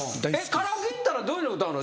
カラオケ行ったらどういうの歌うの？